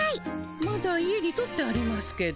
まだ家に取ってありますけど。